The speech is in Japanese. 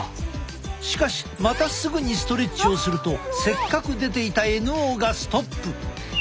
しかしまたすぐにストレッチをするとせっかく出ていたＮＯがストップ！